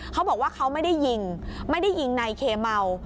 เขาบอกว่าเขาไม่ได้ยิงไม่ได้ยิงนายเคเมา